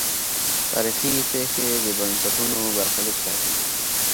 تاریخي پېښې د بنسټونو برخلیک ټاکي.